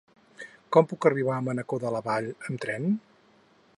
Com puc arribar a Mancor de la Vall amb tren?